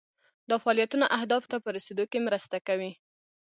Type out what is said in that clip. دا فعالیتونه اهدافو ته په رسیدو کې مرسته کوي.